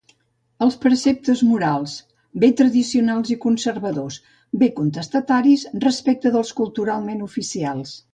Els preceptes morals, bé tradicionals i conservadors, bé contestataris respecte dels culturalment oficials.